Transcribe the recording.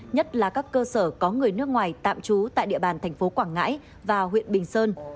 nhất là các cơ sở có người nước ngoài tạm trú tại địa bàn thành phố quảng ngãi và huyện bình sơn